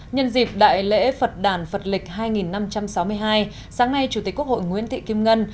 nhân dịp đại lễ phật đàn phật lịch hai năm trăm sáu mươi hai sáng nay chủ tịch quốc hội nguyễn thị kim ngân